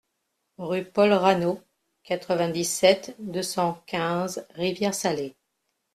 Rue Paul Rano, quatre-vingt-dix-sept, deux cent quinze Rivière-Salée